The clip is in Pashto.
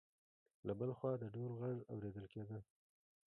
له بل خوا د ډول غږ اورېدل کېده.